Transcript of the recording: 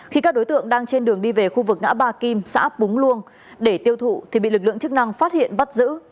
khi các đối tượng đang trên đường đi về khu vực ngã ba kim xã búng luông để tiêu thụ thì bị lực lượng chức năng phát hiện bắt giữ